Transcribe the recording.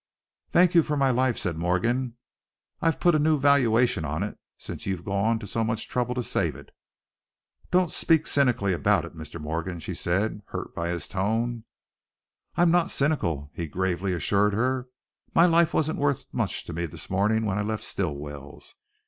"Thank you for my life," said Morgan. "I've put a new valuation on it since you've gone to so much trouble to save it." "Don't speak cynically about it, Mr. Morgan!" she said, hurt by his tone. "I'm not cynical," he gravely assured her. "My life wasn't worth much to me this morning when I left Stilwell's.